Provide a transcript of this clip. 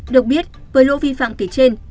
được biết với lỗ vi phạm kể trên